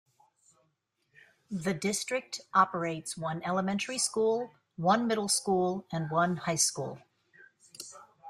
The district operates one elementary school, one middle school and one high school.